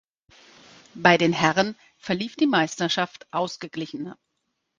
Bei den Herren verlief die Meisterschaft ausgeglichener.